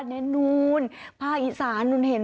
นี่นู้นภาคอีสาน